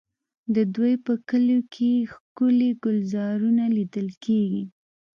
د دوی په کلیو کې ښکلي ګلزارونه لیدل کېږي.